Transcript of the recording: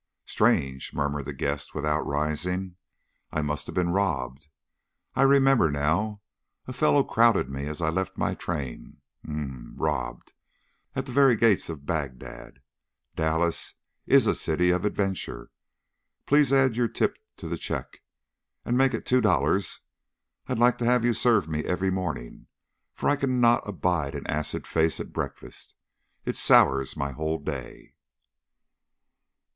"Strange!" murmured the guest, without rising. "I must have been robbed. I remember now, a fellow crowded me as I left my train. Um m! Robbed at the very gates of Baghdad! Dallas is a City of Adventure. Please add your tip to the check, and make it two dollars. I'd like to have you serve me every morning, for I cannot abide an acid face at breakfast. It sours my whole day."